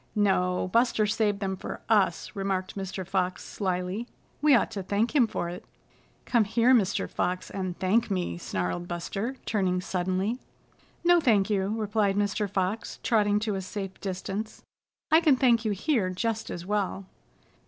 "No, Buster saved them for us," remarked Mr. Fox slyly. "We ought to thank him for it." "Come here, Mr. Fox, and thank me," snarled Buster, turning suddenly. "No, thank you," replied Mr. Fox, trotting to a safe distance. "I can thank you here just as well."